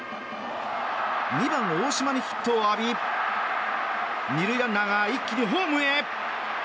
２番、大島にヒットを浴び２塁ランナーが一気にホームへ。